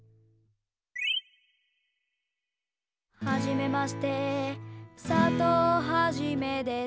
「はじめまして」「佐藤はじめです」